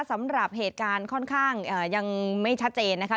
สำหรับเหตุการณ์ค่อนข้างยังไม่ชัดเจนนะคะ